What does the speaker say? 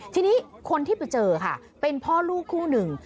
ทีนี้คนที่ไปเจอค่ะเป็นพ่อลูกคู่หนึ่ง